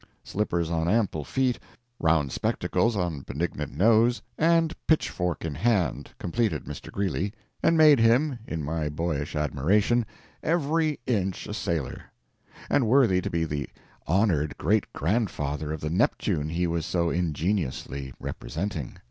Slippers on ample feet, round spectacles on benignant nose, and pitchfork in hand, completed Mr. Greeley, and made him, in my boyish admiration, every inch a sailor, and worthy to be the honored great grandfather of the Neptune he was so ingeniously representing.